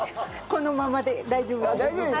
このままで大丈夫です。